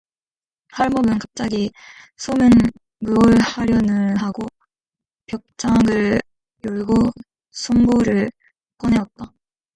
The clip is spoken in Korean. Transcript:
할멈은 갑자기 솜은 무얼 하려누 하고 벽장을 열고 솜보를 꺼내었다.